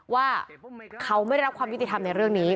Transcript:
ว่าเขาไม่ได้รับความยุติธรรมในเรื่องนี้